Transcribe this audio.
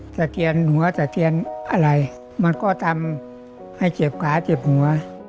เทียนหัวสะเทียนอะไรมันก็ทำให้เจ็บขาเจ็บหัว